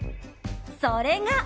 それが。